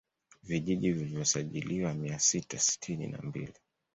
Vijiji vilivyosajiliwa mia sita sitini na mbili